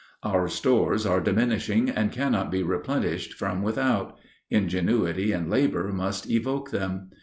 Our stores are diminishing and cannot be replenished from without; ingenuity and labor must evoke them.